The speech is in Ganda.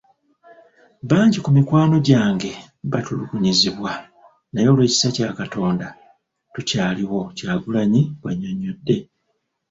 "Bangi ku mikwano gyange baatulugunyizibwa naye olw'ekisa kya Katonda tukyaliwo." Kyagulanyi bw'annyonnyodde.